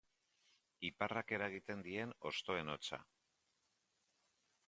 Iparrak eragiten dien hostoen hotsa.